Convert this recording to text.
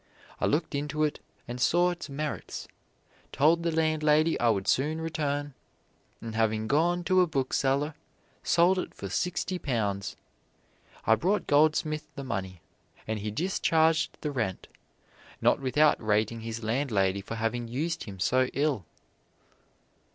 I looked into it and saw its merits; told the landlady I would soon return, and having gone to a bookseller, sold it for sixty pounds. I brought Goldsmith the money, and he discharged the rent, not without rating his landlady for having used him so ill."